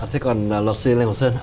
thế còn luật sư lê ngọc sơn